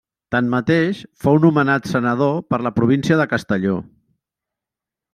Tanmateix, fou nomenat senador per la província de Castelló.